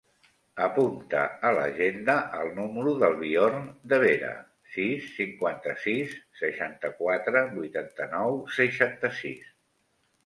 Apunta a l'agenda el número del Bjorn De Vera: sis, cinquanta-sis, seixanta-quatre, vuitanta-nou, seixanta-sis.